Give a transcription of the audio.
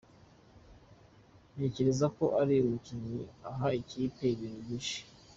Ntekereza ko ari umukinnyi uha ikipe ibintu byinshi.